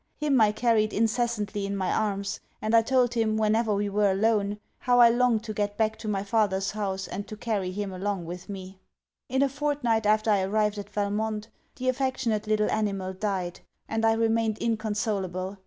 Him I carried incessantly in my arms; and I told him, whenever we were alone, how I longed to get back to my father's house and to carry him along with me. In a fortnight after I arrived at Valmont, the affectionate little animal died; and I remained inconsolable.